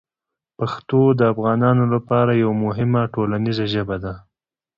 پښتو د افغانانو لپاره یوه مهمه ټولنیزه ژبه ده.